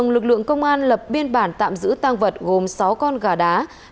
lực lượng công an lập biên bản tạm giữ tăng vật gồm sáu con gà đá